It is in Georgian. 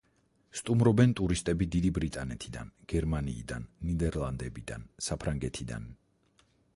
სტუმრობენ ტურისტები დიდი ბრიტანეთიდან, გერმანიიდან, ნიდერლანდებიდან, საფრანგეთიდან.